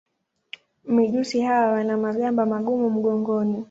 Mijusi hawa wana magamba magumu mgongoni.